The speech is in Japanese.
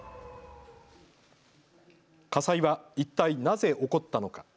火災は一体なぜ起こったのか。